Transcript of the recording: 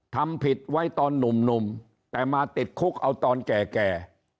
ทำผิดไว้ตอนหนุ่มแต่มาติดคุกเอาตอนแก่